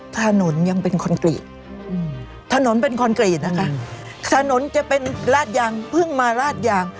ถนนยังเป็นคอนกรีตถนนเป็นคอนกรีตนะคะถนนจะเป็นราดยางเพิ่งมาราดยาง